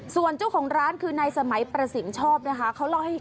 ส่วนเจ้าของร้านคือในสมัยประสิงศ์ชอบนะคะเค้าเล่ามากันให้ฟัง